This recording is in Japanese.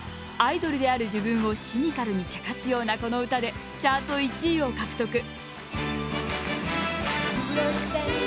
アイドルである自分をシニカルにちゃかすようなこの歌でチャート１位を獲得。